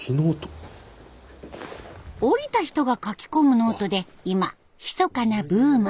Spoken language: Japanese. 降りた人が書き込むノートで今ひそかなブーム。